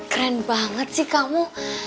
keren banget sih kamu